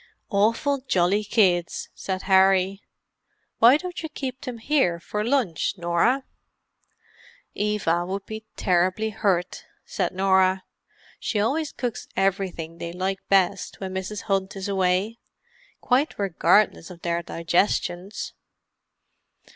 "Awful jolly kids," said Harry. "Why don't you keep them here for lunch, Norah?" "Eva would be terribly hurt," said Norah. "She always cooks everything they like best when Mrs. Hunt is away—quite regardless of their digestions."